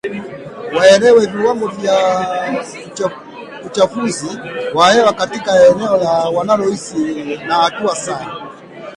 waelewe viwango vya uchafuzi wa hewa katika eneo wanaloishi na hatua za